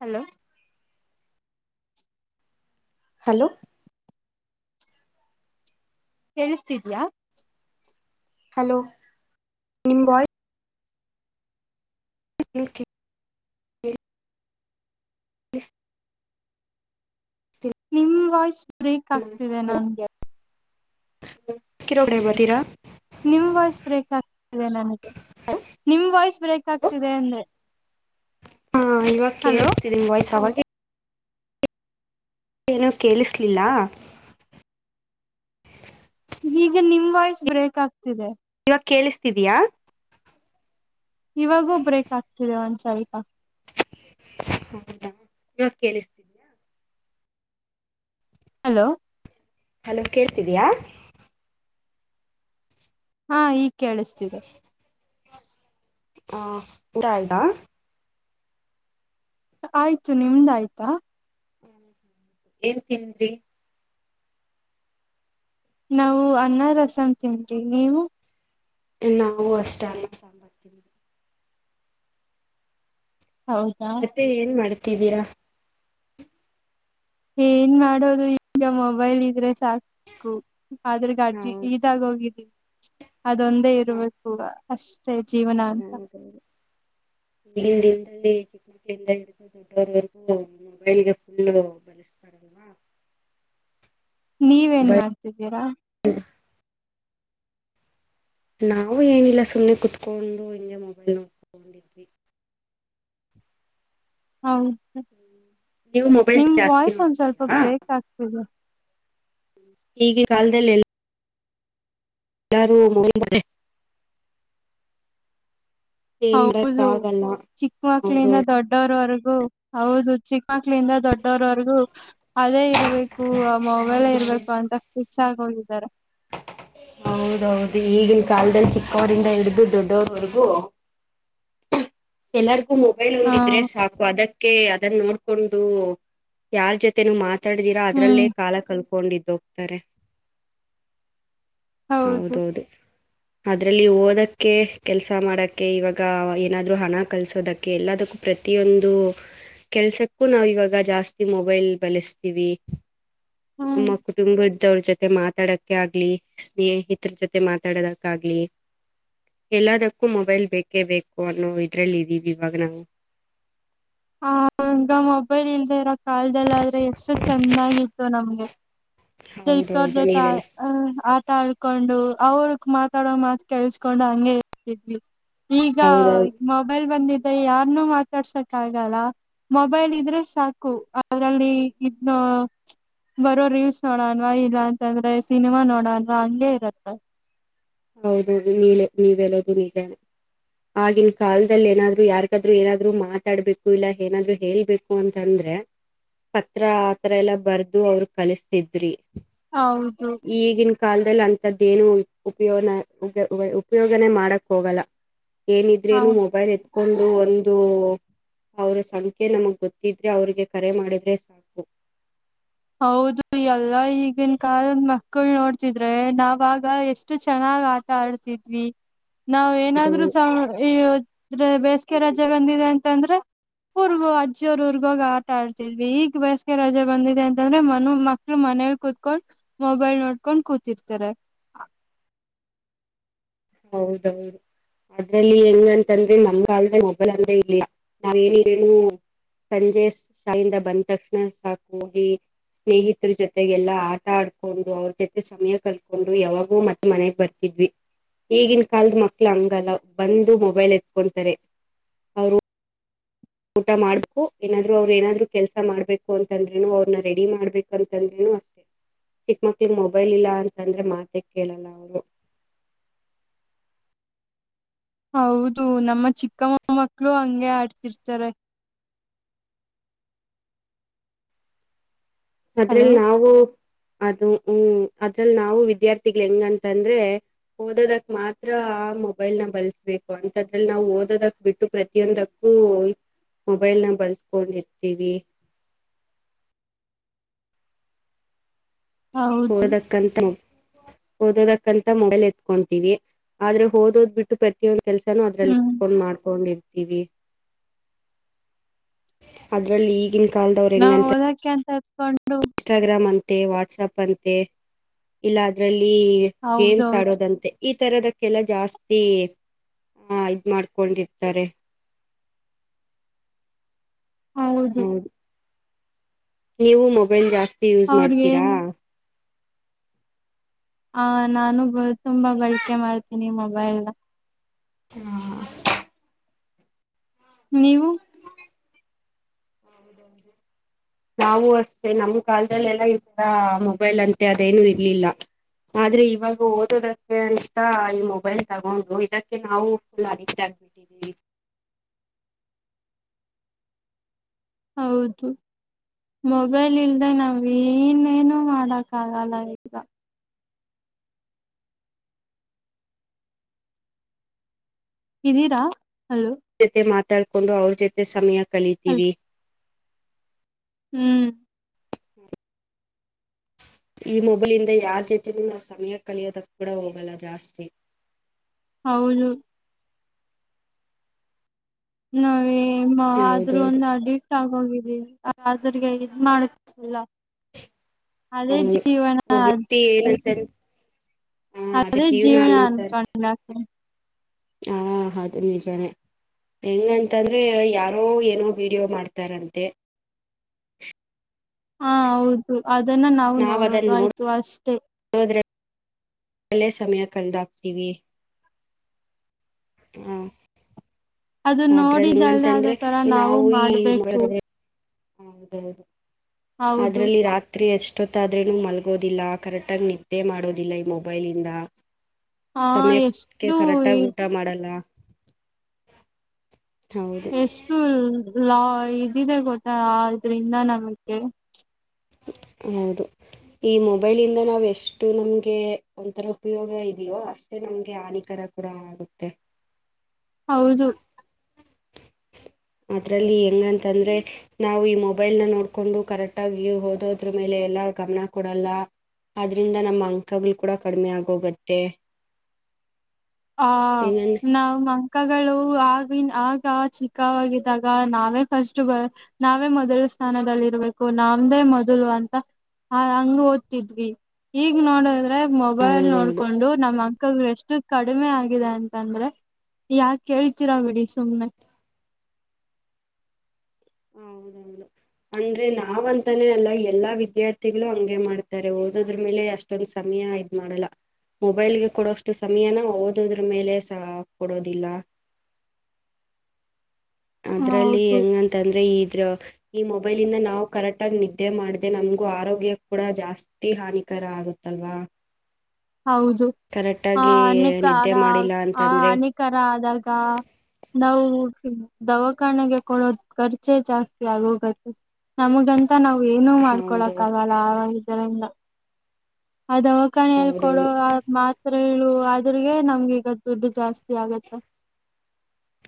Hello hello ಕಿಳಿಸ್ತಿದ್ಯಾ? Hello ನಿಮ voice K [unintelligible] ನಿಮ್ಮ್ ವಾಯ್ಸ. ಬ್ರೇಕ್ ಆಗ್ತಿದೆ ನನ್ಗೆ. [unintelligible] ನಿಮ್ ವಾಯ್ಸ್ ಬ್ರೇಕ್ ಆಗ ನನಗೆ ನಿಮ್ ವಾಯ್ಸ್ ಬ್ರೇಕ್ ಆಗ್ತಿದೆ ಅಂದೇ. ಹಾ ಇವಾಗ ಹಲೋ ಕೇಳಿಸ್ತಿದೆ ನಿಮ್ ವಾಯ್ಸ್ ಏನೂ ಕೇಳಿಸ್ಲಿಲ್ಲ. ಈಗ ನಿಮ್ ವಾಯ್ಸ್ ಬ್ರೇಕ್ ಆಗ್ತಿದೆ. ಇವಾಗ ಕೇಳಿಸ್ತಿದಯಾ? ಇವಾಗೂ ಬ್ರೇಕ್ ಆಗ್ತಿದೆ ಒಂದ್ಸಲ್ಪ. ಹೌದಾ ಇವಾಗ ಕೇಳಿಸ್ತಿದ್ಯಾ? ಹಲೋ ಹಲೋ ಕೇಳ್ತಿದೆಯಾ? ಹಾ ಈಗ ಕೇಳಿಸ್ತಿದೆ. ಹಾ ಊಟಾ ಆಯ್ತಾ? ಆಯ್ತು. ನಿಮ್ದ ಆಯ್ತಾ? ಹ್ಮ ಏನ್ ತಿಂದ್ರೀ ನಾವು ಅನ್ನ ರಸಂ ತಿದ್ವೀ ನೀವು ನಾವು ಅಷ್ಟ ಅನ್ನ ಸಾಂಬಾರ ತಿಂದ್ವಿ ಹೌದಾ ಮತ್ತೆ ಏನ್ ಮಾಡ ತಿದಿರಾ ಏನ್ ಮಾಡೋದು ಈಗ ಮೊಬೈಲ್ ಇದ್ರೆ ಸಾಕು ಆದ್ರ ಗ ಅಡ್ಜಿ ಹೌದು ಇದಾಗ ಹೋಗಿದ್ದಿ ಅದೊಂದೇ ಹಾ ಇರ್ಬೇಕು ಅಸ್ ಟೇ ಜೀವನಾಂತ ಹೌದೌದು, ಈಗಿನ ದಿನದಲ್ಲಿ ಚಿಕ್ಕ ಮಕ್ಳಿಂದ ಇದು ದೊಡ್ಡವರವರೆಗೂ ಮೊಬೈಲ್ಗೆ ಫುಲ್ಲು ಬಳಸ್ತಾರಲ್ವ [unintelligible] ನೀವೇನ್ ಮಾಡ್ತಿದ್ದೀರಾ ನಾವು ಏನಿಲ್ಲ ಸುಮ್ಮನೆ ಕುತ್ಕೊಂಡು ಹಿಂಗೆ ಮೊಬೈಲ್ ನೋಡ್ಕೊಂಡಿದ್ವಿ ಹೌದ ನೀವು ಮೊಬೈಲ್ ನಿಮ್ ಜಾಸ್ತಿ ವಾಯ್ಸ್ ಒಂದ್ ಸ್ವಲ್ಪ ನೋಡ್ತೀರಾ ಬ್ರೇಕ್ ಆಗ್ತಿದೆ ಈಗೀ ಕಾಲ್ದಲ್ಲೇಲ ಯಾರು ಮುಡಿ [unintelligible] ಏನ್ ಮಾಡಕ್ ಹೌದು ಆಗಲ್ಲ ಚಿಕ್ಕ ಹೌದು ಮಕ್ಳಿಂದ ದೊಡ್ಡೋರವರ್ ಹೌದು ಚಿಕ್ಕ ಮಕ್ಳಿಂದ ದೊಡ್ಡವರವರ್ಗು ಅದೇ ಇರ್ಬೇಕು ಮೊಬೈಲ್ ಇರ್ಬೇಕು ಅಂತ ಕಿರ್ಚಾ ಹೋಗಿದಾರೆ ಹೌದೌದು ಈಗಿಲ್ ಕಾಲದಲ್ಲಿ ಚಿಕ್ಕವರಿಂದ ಹಿಡ್ದು ದೊಡ್ಡೋರವರ್ಗೂ ಎಲ್ಲರ್ ಮೊಬೈಲ್ ಹ ನೋಡಿದ್ರೆ ಸಾಕು ಅದಕ್ಕೆ ಅದನ್ನ್ನೋಡ್ಕೊಂಡು ಯಾರ್ ಜೊತೆನು ಮಾ ತ್ತಾಡ್ದಿರಾ ಹ್ಮ್ ಅದ್ರಲ್ಲೇ ಕಾಲ ಕಲ್ಕೊಂಡಿದ್ದ ಹೋಗ್ತಾರೆ ಹೌದು ಹೌದೌದು ದ್ರಲ್ಲಿ ಓದಕ್ಕೆ ಕೆಲ್ಸ ಮಾಡಕ್ಕೆ ಇವಾಗ ಏನಾದ ದ್ರೂ ಹಣ ಕಲ್ಸೋದಕ್ಕೆ ಎಲ್ಲದಕ್ಕೂ ಪ್ರತಿಯೊಂದು ಕೆಲ್ಸಕ್ಕೂ ನಾವ್ ಇವಾಗ ಜಾಸ್ತಿ ಮೊಬೈಲ್ ಬಳಸ್ತೀವಿ ಹ್ಮ್ ನಮ್ಮ ಕುಟುಂಬ ತ್ತವ್ರ ಜೊತೆ ಮಾತಾಡಕ ಆಗ್ಲಿ ಸ್ನೇಹಿತರ ಜೊತೆ ಮಾತಾಡದಕ್ಕ ಆಗ್ಲಿ ಎಲ್ಲದಕ್ಕೂ ಮೊಬೈಲ್ ಬೇಕೇ ಬೇಕು ಅ ನೋ ಇದ್ರಲ್ಲಿ ಇದೀವಿ ಇವಾಗ ನಾವು ಹಂಗ ಮೊಬೈಲ್ ಇಲ್ದ ಇರ ಕಲ್ದಲ್ಲ ಆದ್ರೆ ಎಷ್ಟು ಚೆಂದಾಗಿತ್ತು ನಮ್ಗೆ ಸ್ಟ್ರೈಕರ್ ಹೌದೌದು ಜೊತೆ ನೀವೆಲ್ಲ ಆ ಆಡ್ಕೊಂಡು ಅವ್ರ ಮಾತಾಡೋ ಮಾತ್ ಕೇಳಸ್ಕೊಂಡು ಹಂಗೆ ಇರ್ತಿದ್ವಿ ಈಗ ಹೌದೌದು ಮೊಬೈಲ್ ಬಂದ ಯಾರನ್ನು ಮಾತಾಡ್ಸಕ್ ಆಗಲ್ಲ. ಮೊಬೈಲ್ ಇದ್ರೆ ಸಾಕು ಅದ್ರಲ್ಲಿ ಇದ ಬರೋ ರೀಲ್ಸ್ ನೋಡನ್ವಾ ಇಲ್ಲ ಅಂತಂದ್ರೆ ಸಿನಿಮಾ ನೋಡಲ್ವಾ ಹಂಗೆ ಇರತ್ತೆ ಹೌದೌದು ನೀಲೆ ನೀವೆಲ್ಲದು ನೀಜನೆ. ಆಗಿನ ಕಾಲದಲ್ಲಿ ಏನಾದ್ರು ಯಾರ್ಗಾದ್ರು ಏನಾದ್ರು ಮಾತಾಡ್ಬೇಕು ಇಲ್ಲ ಏನಾದ್ರು ಹೇಳ್ಬೇಕು ಅಂತಂದ್ರೆ ಪತ್ರ ಆತರ ಎಲ್ಲಾ ಬರ್ದು ಅವರು ಕಲಿಸತಿದ್ರಿ. ಹೌದು ಈಗಿನ ಕಾಲದಲ್ಲಿ ಅಂತ ಅದೇನು ಉಪಯೋನ ಉ ಉಪಯೋಗನೆ ಮಾಡಕ್ ಹೋಗಲ್ಲ. ಹಾ ಏನಿದ್ರೇನು ಮೊಬೈಲ್ ಎ ಕೊಂಡ ಒಂದು ಅವ್ರ ಸಂಖ್ಯೆ ನಮಗ್ ಗೊತ್ತಿದ್ರೆ ಅವ್ರಿಗೆ ಕರೆ ಮಾಡಿದ್ರೆ ಸಾಕು. ಹೌದು ಎಲ್ಲ ಈಗಿನ ಕಾಲದ ಮಕ್ಳ ನೋಡ್ತಿದ್ರೆ ನಾವಾಗ ಎಷ್ಟು ಚೆನ್ನಾಗ್ ಆಟ ಆಡ್ತಿದ್ವಿ. ನಾವ್ ಏನಾದ್ರೂ ಹೌದೌದು ಸ್ ಈವ್ ಆದ್ರೆ ಬೇಸಿಗೆ ರಜೆ ಬಂದಿದೆ ಅಂತ ಅಂದ್ರೆ ಊರಗೆ ಅಜ್ಜಿಯವ್ರ ಊರಿಗೆ ಹೋಗಿ ಆಟ ಆಡ್ತಿದ್ವಿ. ಈಗ ಬೇಸಿಗೆ ರಜೆ ಬಂದಿದೆ ಅಂತ ಅಂದ್ರೆ ಮನು ಮಕ್ಕಳು ಮನೆಯಲ್ಲಿ ಕೂತ್ಕೊಂಡು ಮೊಬೈಲ್ ನೋಡ್ಕೊಂಡ್ ಕೂತಿರ್ತಾರೆ. ಹೌದ ಹೌದು ಅದ್ರಲ್ಲಿ ಹೆಂಗ ಅಂತ ಅಂದ್ರೆ ನಮ್ ಆಲ್ರೆಡಿ ಮೊಬೈಲ್ ಅಂದೇ ಇಲ್ಲ. ನಾವೇ ಏನೇಏನು ಸಂಜೆ ಶಾಲೆಯಿಂದ ಬಂದ ತಕ್ಷಣ ಸಾಕೋಗಿ ಸ್ನೇಹಿತರ ಜೊತೆಗೆಲ್ಲಾ ಆಟ ಆಡ್ಕೊಂಡು ಅವ್ರ ಜೊತೆ ಸಮಯ ಕಳಕೊಂಡು ಯಾವಾಗೂ ಮತ್ತೆ ಮನೆಗ್ ಬರ್ತಿದ್ವಿ. ಈಗಿನ ಕಾಲದ ಮಕ್ಕಳು ಹಂಗಲ್ಲ ಬಂದು ಮೊಬೈಲ್ ಎತ್ಕೊಂತಾರೆ. ಅವರು ಊಟ ಮಾಡ್ಬೇಕು ಏನಾದ್ರು ಅವ್ರು ಏನಾದ್ರು ಕೆಲಸ ಮಾಡ್ಬೇಕು ಅಂತಂದ್ರೇನು ಅವ್ರನ್ನ ರೆಡಿ ಮಾಡ್ಬೇಕು ಅಂತಂದ್ರೇನು ಅಷ್ಟೆ ಚಿಕ್ಕ ಮಕ್ಕಳಿಗೆ ಮೊಬೈಲ್ ಇಲ್ಲ ಅಂತ ಅಂದ್ರೆ ಮಾತ ಕೇಳಲ್ಲ ಅವರು. ಹೌದು ನಮ್ಮ ಚಿಕ್ಕಮ್ಮ ಮಕ್ಕಳು ಹಂಗೆ ಆಡ್ತಿರ್ತಾರೆ. ಹಲೋ ಅದ್ರಲ್ಲಿ ನಾವು ಅದು ಹ್ಮ್ ಅದ್ರ ಅಲ್ಲಿ ನಾವು ವಿದ್ಯಾರ್ಥಿಗಳು ಹೆಂಗ ಅಂತ ಅಂದ್ರೆ ಓದೋದಕ್ ಮಾತ್ರ ಮೊಬೈಲ್ನ ಬಳಸಬೇಕು. ಅಂತದ್ರಲ್ ನಾವು ಓದೋದಕ್ ಬಿಟ್ಟು ಪ್ರತಿಯೊಂದಕ್ಕೂ ಮೊಬೈಲ್ ನ ಬಳಸ್ಕೊಂಡಿರ್ತೀವಿ. ಹೌದು ಒದಕ್ಕಂತ್ ಓದೋದಕ್ಕಂತ ಮೊಬೈಲ್ ಎತ್ಕೊಂತೀವಿ, ಆದ್ರೆ ಓದೋದ್ ಬಿಟ್ಟು ಪ್ರತಿಯೊಂದು ಕೆಲ್ಸನೂ ಅದ್ರಲ್ಲಿ ಹ್ಮ್ ಕುತ್ಕೊಂಡ್ ಮಾಡ್ಕೊಂಡಿ. ಇದೀವಿ. ಅದ್ರಲ್ಲಿ ಈಗಿಲ್ ನಾವ್ ಓದಕೆ ಅಂತ ಕುತ್ಕೊಂಡ ಇನ್ಸ್ಟಾಗ್ರಾಮ್ ಅಂತ. ಅಂತೆ ವಾಟ್ಸಪ್ ಅಂತೆ ಇಲ್ಲ ಅದ್ರಲ್ಲಿ ಲೀ ಗೇಮ್ಸ್ ಹೌದೌದು ಆಡೋದಂತೆ. ಈ ತರದಕ್ಕೆಲ್ಲ ಜಾಸ್ತಿ ಆಹ ಇದ್ ಮಾಡ್ಕೊಂಡಿರ್ತಾರೆ. ಹೌದು ನೀವು ಮೊಬೈಲ್ ಜಾಸ್ತಿ ಯೂಸ್ ಅವ್ರಿಗೆ ಮಾಡ್ತೀರಾ? ಹ ನಾನು ಗೊ ತುಂಬಾ ಬಳಕೆ ಮಾಡ್ತೀನಿ. ಮೊಬೈಲ್ ನಾ. ಹ್ಮ ನೀವು? ನಾವು ಅಷ್ಟೇ ನಮ್ ಕಾಲದಲ್ಲೆಲ್ಲ ಈತರ ಮೊಬೈಲ್ ಅಂತೆ ಅದೇನು ಇರ್ಲಿಲ್ಲ. ಆದ್ರೆ ಇವಾಗ ಓದೋದಕ್ಕೆ ಅಂತ ಈ ಮೊಬೈಲ್ ತಗೊಂಡು ಇದಕ್ಕೆ ನಾವು ಫುಲ್ ಅಡಿಕ್ಟ್ ಆಗಿಬಿಟ್ಟಿದ್ದೀವಿ. ಹೌದು ಮೊಬೈಲ್ ಇಲ್ಲದೇ ನಾವ ಏನೇನು ಮಾಡಕ್ಕಾಗಲ್ಲ ಈಗ ಇದ್ದೀರಾ ಜೊತೆ ಮಾತ ಮಾತಾಡ್ಕೊಂಡು ಅವಳ ಜೊತೆ ಸಮಯ ಹಲ್ ಕಳಿತೀವಿ ಹ್ಮ್ ಈ ಮೊಬೈಲಿಂದ ಯಾರ ಜೊತೆಯೂ ನಾವು ಸಮಯ ಕಲಿಯೋದ ಕೂಡ ಹೋಗಲ್ಲ ಜಾಸ್ತಿ ಹೌದು ನಾವೇ ಹ್ಮ ಆದ್ರೂ ಹೌದೌದು ಅಡಿಕ್ಟ್ ಆಗಿ ಹೋಗಿವಿ ಅಿಗೆ ಇದ ಮಾಡಲ್ಲ [inaudible] ಅದೇ ಜೀವನ ಹ ವ್ಯಕ್ತಿ [inaudible] ಹ ಅದ ಅದೇ ಜೀವನ ಅನ್ನೋತರ [unintelligible] ಹ ಅದು ನಿಜಾನೇ ಹೆಂಗಂತಂದ್ರೆ ಯಾರೋ ಏನೋ ವಿಡಿಯೋ ಮಾಡ್ತಾರಂತೆ ಹಾ ಹೌದು ಅದನ್ನ ನಾವು ನೋಡೋದು ಆಯ್ತು ಅಷ್ಟೇ ಒಲ್ಲೇ ಸಮಯ ಕಳೆದಾಗ್ತೀವಿ ಹಾ ಅದು ನೋಡಿದಲ್ಲಿ ಅದ ತರ ನಾವು ಮಾಡ್ಬೇಕು [unintelligible] ಹೌದೌದು [unintelligible] ಹೌದು ಅದ್ರಲ್ಲಿ ರಾತ್ರಿ ಅಷ್ಟೆ ಅಷ್ಟೊತ್ತಾದ್ರನ ಮಲ್ಗೋದಿಲ್ಲ ಕರೆಕ್ಟಾಗಿ ನಿದ್ದೆ ಮಾಡೋದಿಲ್ಲ ಈ ಮೊಬೈಲಿಂದ [unintelligible] ಆ ಸಮಯಕ್ಕೆ ಎಷ್ಟು ಕರೆಕ್ಟ್ ಆಗಿ ಊಟ ಮಾಡಲ್ಲ [unintelligible] ಹೌದು ಎಷ್ಟು [unintelligible] ಲಾ ಇದಿದೆ ಗೊತ್ತಾ ಅದರಿಂದ ನಮಗೆ [unintelligible] ಹೌದು ಈ ಮೊಬೈಲ್ ಇಂದ ನಾವ್ ಎಷ್ಟು ನಮ್ಗೆ ಒಂಥರ ಉಪಯೋಗ ಇದೆಯೋ ಅಷ್ಟೇ ನಮ್ಗೆ ಹಾನಿಕರ ಕೂಡ ಆಗುತ್ತೆ [unintelligible] ಹೌದು [unintelligible] ಅದ್ರಲ್ಲಿ ಹೆಂಗಂತಂದ್ರೆ ನಾವು ಈ ಮೊಬೈಲ್ ನ ನೋಡ್ಕೊಂಡು ಕರೆಕ್ಟ್ ಆಗಿ [unintelligible] ಓದೋದ್ರ ಮೇಲೆ ಎಲ್ಲಾ ಗಮನ ಕೊಡಲ್ಲ ಆದದ್ರಿಂದ ನಮ್ಮ ಅಂಕಗಳು ಕೂಡ ಕಡಿಮೆ ಆಗೋಗತ್ತೆ [unintelligible] ಆ ನವು ಮ್ ಅಂಕಗಳು ಆಗಿನ್ ಆಗ ಚಿಕ್ಕವಾಗಿದ್ದಾಗ ನಾವೇ ಫಸ್ಟ್ ಬ ನಾವೇ ಮೊದಲು ಸ್ಥಾನದಲ್ಲಿರ್ಬೇಕು ನಮ್ದೇ ಮೊದಲು ಅಂತ ಹಂಗ ಓದ್ತಿದ್ವಿ ಈಗ ನೋಡ [unintelligible] ಮೊಬೈಲ್ ಹೌದೌದು ನೋಡ್ಕೊಂಡು ನಮ್ಮ ಅಂತ [unintelligible] ಅಂಕಗಳು ಎಷ್ಟು [unintelligible] ಕಡಿಮೆ ಆಗಿದೆ ಅಂತಂದ್ರೆ ಯಾಕ ಕೇಳ್ತೀರಾ ಬಿಡಿ ಸುಮ್ನೆ ಹೌದೌದು ಅಂದ್ರೆ ನಾವಂತಾನೇ ಅಲ್ಲ ಎಲ್ಲಾ ವಿದ್ಯಾರ್ಥಿಗಳು ಹಂಗೆ ಮಾಡ್ತಾರೆ ಓದೋದ್ರ ಮೇಲೆ ಅಷ್ಟೊಂದ ಸಮಯ ಇದ್ ಮಾಡಲ್ಲ ಮೊಬೈಲ್ಗೆ ಕೊಡೋಷ್ಟು ಸಮಯನ ಓದೋದ್ರ ಮೇಲೆ ಸಹ ಕೊಡೋದಿಲ್ಲ [unintelligible] ಅದ್ರಲ್ಲಿ ಹೌದು ಹೆಂಗಂತಂದ್ರೆ ಇದ್ರ [unintelligible] ಈ ಮೊಬೈಲ್ ಇಂದ ನಾವು ಕರೆಕ್ಟ್ ಆಗ ನಿದ್ದೆ ಮಾಡ್ದ ನಮಗೂ ಆರೋಗ್ಯ ಕೂಡ ಜಾಸ್ತಿ ಹಾನಿಕರ ಆಗುತ್ತಲ್ವಾ [unintelligible] ಹೌದು ಆ ಕರೆಕ್ಟಾಗಿ ಅನೇಕ ನಿದ್ದೆ ಮಾಡಿಲ್ಲ ಆ ಅಂತಂದ್ರೆ ಅನೇಕಾರ ಆದಾಗ ನಾವು [unintelligible] ದವಾಖಾನೆಗೆ ಕೊಡೋದು ಖರ್ಚೆ ಜಾಸ್ತಿ ಆಗೋಗುತ್ತೆ ನಮಗಂತ [unintelligible] ನಾವು ಏನು ಮಾಡ್ಕೊಳಕ್ ಹೌದೌದು ಆಗಲ್ಲ [unintelligible] ಕೆರಂಗ [inaudible] ಆ ದವಖಾನೆಯಲ್ಲಿ ಕೊಡು ಹೌದೌದು ಆ ಮಾತ್ [unintelligible] ಹ ಹೇಳು ಆದ್ರಗೆ ನಮ್ಗೆ ಈಗ ದುಡ್ಡು ಜಾಸ್ತಿ ಆಗತ್ತೆ [unintelligible]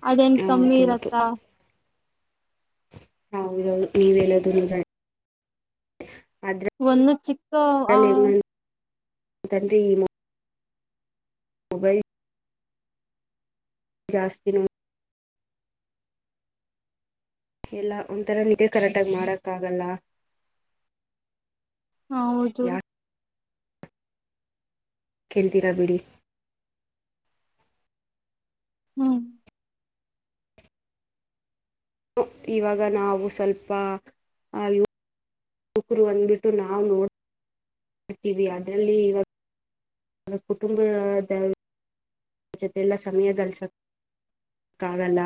ಅದೆನ್ ಕಮರಕ್ಕ [unintelligible] ಹೌದ ಮೀ ವಲ್ಲ ದನ ಜ [unintelligible] ಒಂದು ಚಿಕ್ಕ ಆ ತನ್ೀ ಮಾ [unintelligible] ಹೋಗೈ ಜಾಸ್ತಿಿನ ಎಲ್ಲ ಒಂಥರ ನಿಕೆ ಕರೆಕ್ಟಾಗಿ ಮಾಡಕ್ಕಾಗಲ್ಲ ಹಾ ಹೌದು ಕೇಳ್ತೀರಾ ಬಿಡಿ ಹ್ಮ್ ಇವಾಗ ನಾವು ಸ್ವಲ್ಪ ಆ ಯ ಯುವಕರು ಅಂದ್ಬಿಟ್ಟು ನಾವು ನೋಡ್ತೀವಿ ಅದ್ರಲ್ಲಿ ಇವಾಗ [unintelligible] ಕುಟುಂಬದ ಜೊತೆಲ್ಲ ಸಮಯ ಲ್ಸಕ್ಕಾಗಲ್ಲ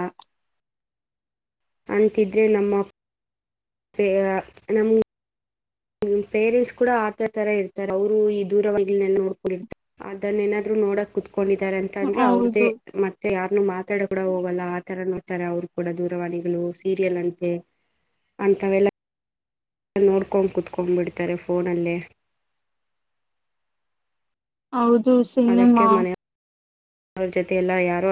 ಅಂತಿದ್ರೆ ನಮ್ಮ [unintelligible] ಅ ನಮ್ಮ್ ಪೇರೆಂಟ್ಸ್ ಕೂಡ ಆತ ತರ ಇರ್ತಾರೆ ಅವರು ಈ ದರವಾಗಿ ನೋಡ್ಕೊಂಡಿರ್ತಾರೆ ಅದನ್ನ ಏನಾದ್ರು ನೋಡಕ್ ಕುೂತ್ಕ [unintelligible] ಕೊಂಡಿದ್ದಾರೆ ಅಂತ ಅಂದ್ರೆ ಅವ್ರದೇ ಹೌದು ಮತ್ತೆ ಯಾರಾರ್ನ್ನು ಮಾತಾಡ ಕೂಡ ಹೋಗಲ್ಲ ಆತರ ನೋಡ್ತಾರೆ ಅವ್ರು ಕೂಡ ದೂರವಾಣಿಗಳು ಸೀರಿಯಲ್ ಅಂತೆ ಅಂತವೆಲ್ಲ ನೋಡ್ಕೊಂಡ್ ಕುತ್ಕೊಂಡ್ಬಿಡ್ತಾರೆ ಫೋನಲ್ಲೇ ಹೌದು ಸಿನಿಮಾ ಅವ್ರ ಜೊತೆ ಎಲ್ಲ ಯಾರೋ [unintelligible] [unintelligible]